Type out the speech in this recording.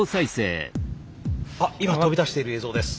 あ今跳び出している映像です。